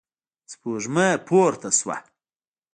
سپوږمۍ پورته شوه.